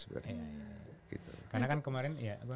karena kan kemarin ya